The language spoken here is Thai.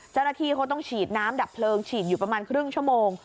เจ้าหน้าที่เขาต้องฉีดน้ำดับเพลิงฉีดอยู่ประมาณครึ่งชั่วโมง